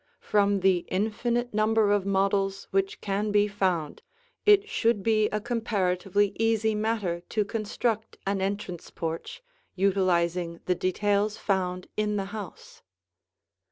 From the infinite number of models which can be found, it should be a comparatively easy matter to construct an entrance porch, utilizing the details found in the house.